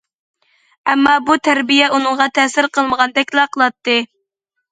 ئەمما بۇ تەربىيە ئۇنىڭغا تەسىر قىلمىغاندەكلا قىلاتتى.